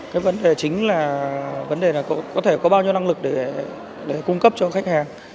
cái vấn đề chính là vấn đề là có thể có bao nhiêu năng lực để cung cấp cho khách hàng